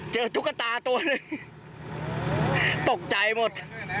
ตุ๊กตาตัวหนึ่งตกใจหมด